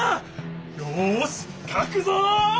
よしかくぞ！